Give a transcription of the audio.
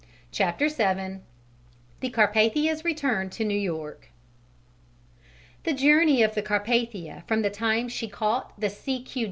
CHAPTER VII THE CARPATHIA'S RETURN TO NEW YORK The journey of the Carpathia from the time she caught the "C.Q.